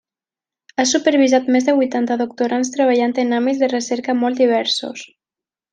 Ha supervisat més de vuitanta doctorands treballant en àmbits de recerca molt diversos.